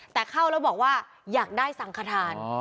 แต่เข้าแล้วบอกว่าอยากได้สังขทาน